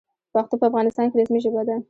پښتو په افغانستان کې رسمي ژبه ده.